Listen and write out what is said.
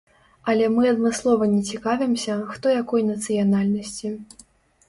Але мы адмыслова не цікавімся, хто якой нацыянальнасці.